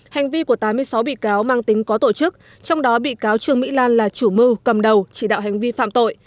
hành vi của tám mươi sáu bị cáo mang tính có tổ chức trong đó bị cáo trương mỹ lan là chủ mưu cầm đầu chỉ đạo hành vi phạm tội